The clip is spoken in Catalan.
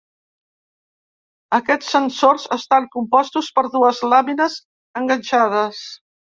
Aquests sensors estan compostos per dues làmines enganxades.